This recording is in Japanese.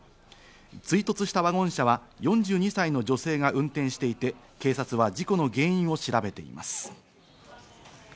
追突したワゴン車は４２歳の女性が運転していて、警察は事故の原因を調べています。